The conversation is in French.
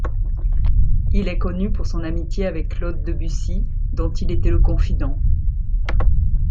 Il est connu pour son amitié avec Claude Debussy, dont il était le confident.